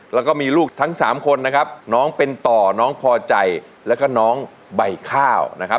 แล้วก็มีลูกทั้งสามคนนะครับน้องเป็นต่อน้องพอใจแล้วก็น้องใบข้าวนะครับ